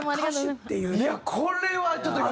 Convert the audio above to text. いやこれはちょっと。